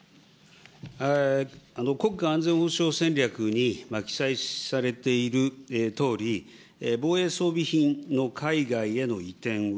国家安全保障戦略に記載されているとおり、防衛装備品の海外への移転は、